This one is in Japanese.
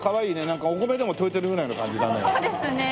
なんかお米でも研いでるぐらいの感じだね。